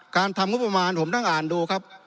ทำงบประมาณผมนั่งอ่านดูครับ